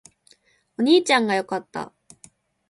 お兄ちゃんが良かった